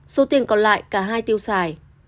số tiền còn lại cả hai tiêu xài